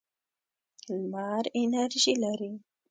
لمر انرژي لري.